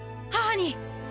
母に！